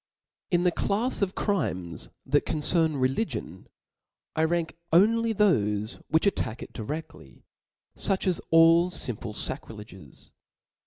In the clafs of crimes that concern religion, I rank only thofe which attack it diredly, foch as all fimple facrileges.